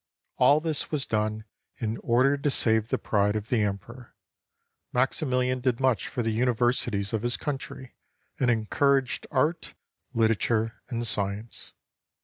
All this was done in order to save the pride of the Emperor. jNIaximilian did much for the universities of his country, and encouraged art, literature, and science.